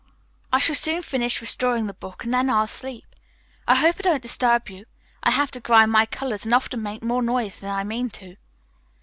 "I shall soon finish restoring the book, and then I'll sleep. I hope I don't disturb you. I have to grind my colors, and often make more noise than I mean to."